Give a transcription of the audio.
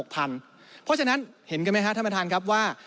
เพราะฉะนั้นเห็นกันไหมครับท่านประธานครับว่า